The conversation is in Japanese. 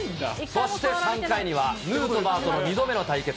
そして３回には、ヌートバーとの２度目の対決。